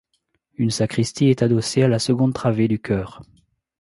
Une sacristie est adossée à la seconde travée du chœur.